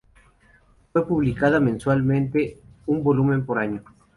Fue publicada mensualmente, un volumen por año.